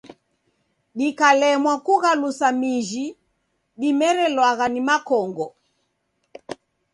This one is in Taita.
Dikalemwa kughalusa miji dimerelwagha ni makongo.